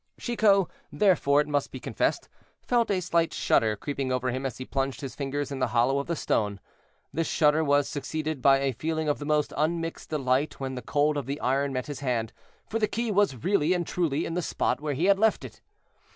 Chicot, therefore, it must be confessed, felt a slight shudder creeping over him as he plunged his fingers in the hollow of the stone; this shudder was succeeded by a feeling of the most unmixed delight when the cold of the iron met his hand, for the key was really and truly in the spot where he had left it.